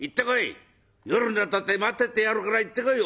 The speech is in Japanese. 夜になったって待っててやるから行ってこい！